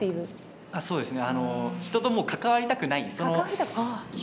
そうですね。